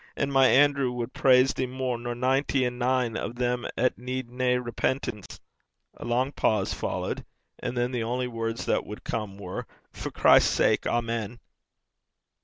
And my Andrew wad praise thee mair nor ninety and nine o' them 'at need nae repentance.' A long pause followed. And then the only words that would come were: 'For Christ's sake. Amen.'